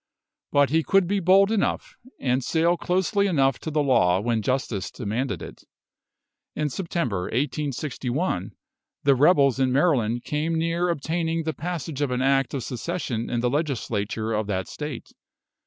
But he could be bold enough, and sail closely enough to the law when justice demanded it. In September, 1861, the rebels in Maryland came near obtaining the passage of an act of secession in the Legislature of that state.